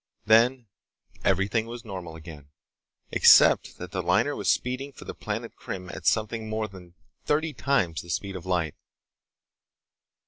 Then everything was normal again, except that the liner was speeding for the planet Krim at something more than thirty times the speed of light.